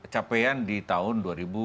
capaian di tahun